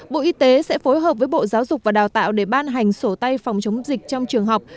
bộ y tế sẽ phối hợp với bộ giáo dục và đào tạo để ban hành sổ tay phòng chống dịch trong trường học